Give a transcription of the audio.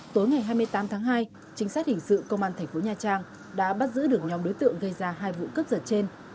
tối ngày hai mươi tám tháng hai chính sách hình sự công an thành phố nha trang đã bắt giữ được nhóm đối tượng gây ra hai vụ cướp giật trên